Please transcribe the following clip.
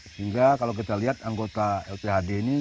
sehingga kalau kita lihat anggota lphd ini